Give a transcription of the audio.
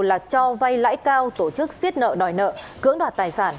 là cho vay lãi cao tổ chức xiết nợ đòi nợ cưỡng đoạt tài sản